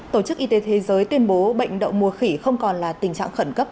tổ chức y tế thế giới tuyên bố bệnh đậu mùa khỉ không còn là tình trạng khẩn cấp